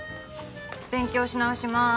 勉強し直しまーす。